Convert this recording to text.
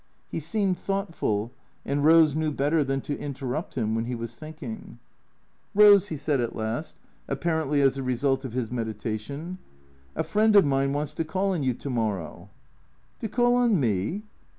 He seemed thoughtful, and Eose knew better than to interrupt him when he was think ing. " Eose," he said at last, apparently as the result of his medita tion, " a friend of mine Avants to call on you to morrow." " To call on me